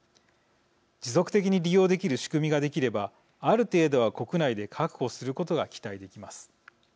持続的に利用できる仕組みができればある程度は国内で確保することが期待できます。